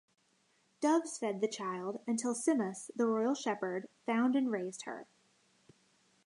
Doves fed the child until Simmas, the royal shepherd, found and raised her.